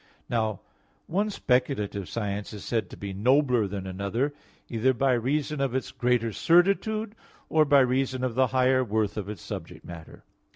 Now one speculative science is said to be nobler than another, either by reason of its greater certitude, or by reason of the higher worth of its subject matter.